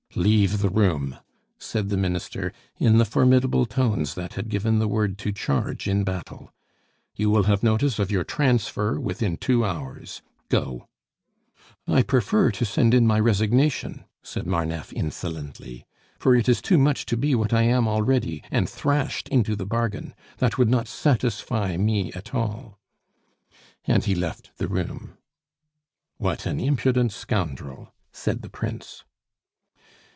"Leave the room!" said the Minister, in the formidable tones that had given the word to charge in battle. "You will have notice of your transfer within two hours. Go!" "I prefer to send in my resignation," said Marneffe insolently. "For it is too much to be what I am already, and thrashed into the bargain. That would not satisfy me at all." And he left the room. "What an impudent scoundrel!" said the Prince.